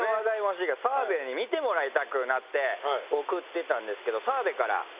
澤部に見てもらいたくなって送ってたんですけど。